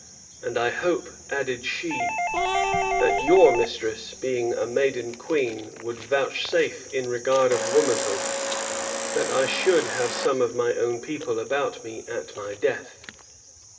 And I hope," added she, "that your mistress, being a maiden queen, would vouchsafe, in regard of womanhood, that I should have some of my own people about me at my death.